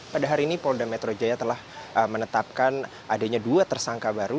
pada hari ini polda metro jaya telah menetapkan adanya dua tersangka baru